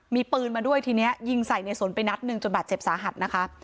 มีปืนมาด้วยทีนี้ยิงใส่ในสนไปนัดหนึ่งจนบาดเจ็บสาหัสนะคะ